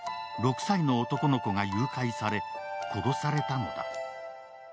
６歳の男の子が誘拐され、殺されたのだ。